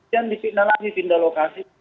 jangan dipitnah lagi pindah lokasi